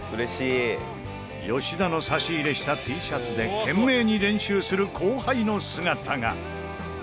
吉田の差し入れしたＴシャツで懸命に練習する後輩の姿が。